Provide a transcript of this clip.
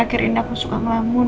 akhir ini aku suka ngelamun